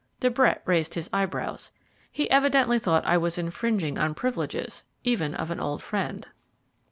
De Brett raised his eyebrows. He evidently thought that I was infringing on the privileges even of an old friend.